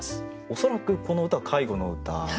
恐らくこの歌は介護の歌。